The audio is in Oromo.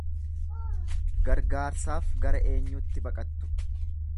Gargaarsaaf gara eenyuutti baqattu?